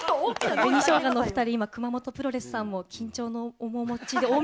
紅しょうがのお２人、今、熊元プロレスさんも緊張の面持ちで。